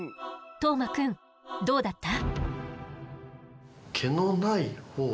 當眞くんどうだった？